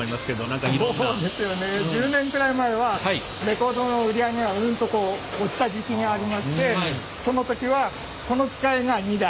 そうですよね１０年くらい前はレコードの売り上げがうんとこう落ちた時期がありましてその時はこの機械が２台。